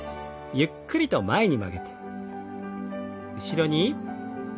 ゆっくりと前に曲げて。